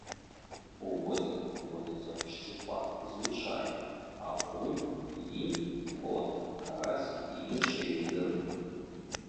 У возеры водзяцца шчупак звычайны, акунь, лінь, плотка, карась і іншыя віды рыб.